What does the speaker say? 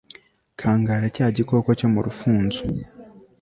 kangara cya gikoko cyo mu rufunzo